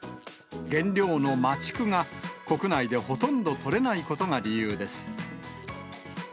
原料の麻竹が国内でほとんど取れないことが理由です。